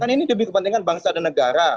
kan ini demi kepentingan bangsa dan negara